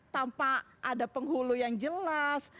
tanpa ada penghulu yang jelas